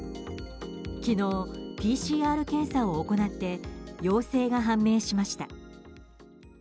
昨日、ＰＣＲ検査を行って陽性が判明しました。